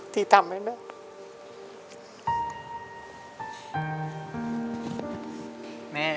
ที่ทำให้แม่